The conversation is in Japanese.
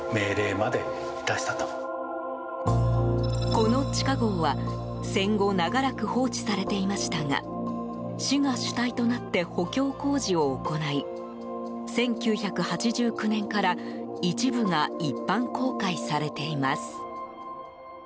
この地下壕は戦後長らく放置されていましたが市が主体となって補強工事を行い１９８９年から一部が一般公開されています。